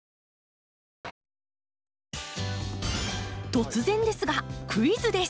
突然ですがクイズです！